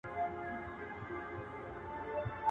څېړنه د پرمختګ لامل کیږي.